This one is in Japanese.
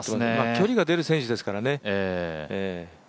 距離が出る選手ですからね。